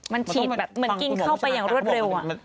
มันฉีดเข้าไปอย่างรวดเร็ว